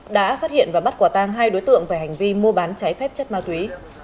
đã phát hiện và bắt quả tang hai đối tượng về hành vi mua bán trái phép chất ma túy